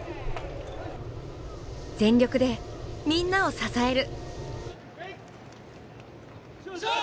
全力でみんなを支える。